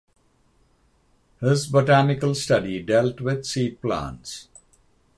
His botanical study dealt with seed plants.